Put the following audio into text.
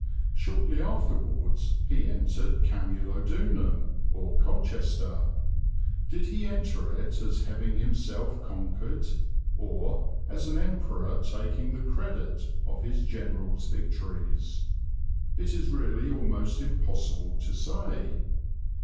Shortly afterwards he entered Camulodunum, or Colchester. Did he enter it as having himself conquered, or as an Emperor taking the credit of his general's victories? It is really almost impossible to say.